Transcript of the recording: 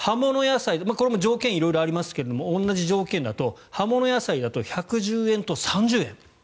これも条件は色々ありますが同じ条件だと葉物野菜だと１１０円と３０円。